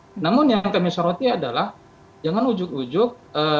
oke namun yang kami saruti adalah jangan ujuk ujuk